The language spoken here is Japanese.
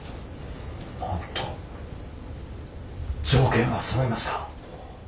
条件はそろいました。